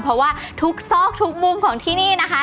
เพราะว่าทุกซอกทุกมุมของที่นี่นะคะ